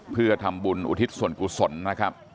เพื่อทำบุญอุทิศส่วนกุศลนะครับ